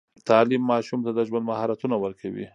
تعليم ماشوم ته د ژوند مهارتونه ورکوي.